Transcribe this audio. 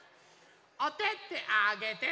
おててあげて。